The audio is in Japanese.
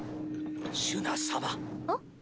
シュナ様。